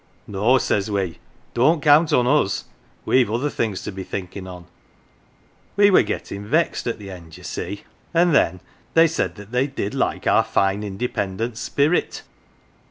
' No, 1 says we, 'don't count on us, we've other things to be thinkin' on. 1 We were gettin' vexed at the end, ye see and then they said they did like our fine independent spirit.